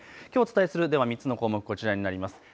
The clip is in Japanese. きょうお伝えする３つの項目、こちらになります。